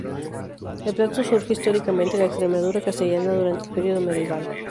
El plato surge históricamente en la extremadura castellana durante el periodo medieval.